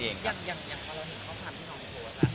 อย่างพอเราเห็นข้อความที่น้องโพสต์